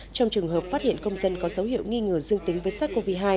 trong trường hợp phát hiện công dân có dấu hiệu nghi ngờ dương tính với sars cov hai